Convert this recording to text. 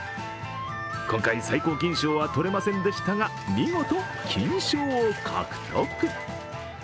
今回、最高金賞は取れませんでしたが、見事金賞を獲得。